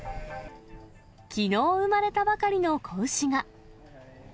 きのう産まれたばかりの子牛が。